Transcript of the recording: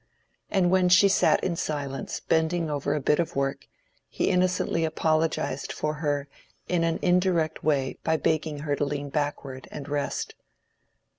And when she sat in silence bending over a bit of work, he innocently apologized for her in an indirect way by begging her to lean backward and rest.